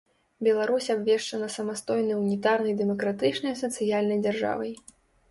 Беларусь абвешчана самастойнай унітарнай дэмакратычнай сацыяльнай дзяржавай.